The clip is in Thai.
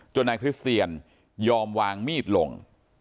นายคริสเตียนยอมวางมีดลง